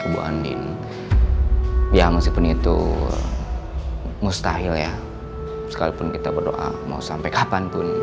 preserve ya masih pentung mustahil ya sekalipun kita berdoa mau sampai kapanpun